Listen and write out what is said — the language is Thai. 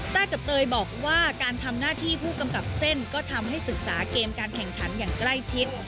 กับเตยบอกว่าการทำหน้าที่ผู้กำกับเส้นก็ทำให้ศึกษาเกมการแข่งขันอย่างใกล้ชิด